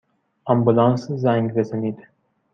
آمبولانس زنگ بزنید!